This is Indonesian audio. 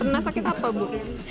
pernah sakit apa bu